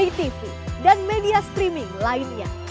digital paytv dan media streaming lainnya